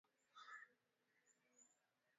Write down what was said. Ugonjwa wa ndigana kali hushambulia zaidi ngombe